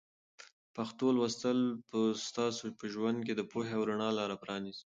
پښتو لوستل به ستاسو په ژوند کې د پوهې او رڼا لاره پرانیزي.